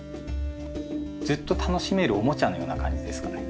ずっと楽しめるおもちゃのような感じですかね。